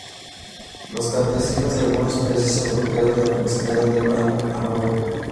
Los campesinos de algunos países europeos la consideran de mal agüero.